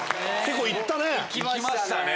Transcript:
いきましたね。